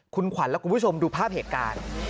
คุณขวัญและคุณผู้ชมดูภาพเหตุการณ์